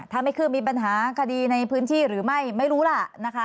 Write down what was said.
ถ้าไม่ขึ้นมีปัญหาคดีในพื้นที่หรือไม่ไม่รู้ล่ะนะคะ